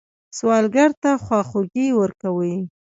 سوالګر ته خواخوږي ورکوئ